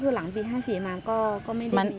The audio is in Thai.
หลังปี๕๐มาก็ไม่ได้มี